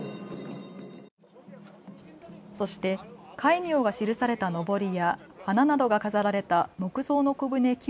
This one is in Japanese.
そして戒名が記されたのぼりや花などが飾られた木造の小舟９